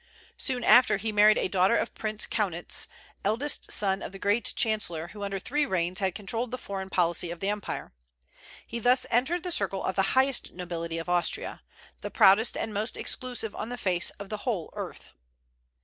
Soon after, he married a daughter of Prince Kaunitz, eldest son of the great chancellor who under three reigns had controlled the foreign policy of the empire. He thus entered the circle of the highest nobility of Austria, the proudest and most exclusive on the face of the whole earth.